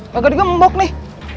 kagak dikembok nih